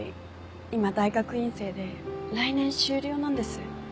今大学院生で来年修了なんです。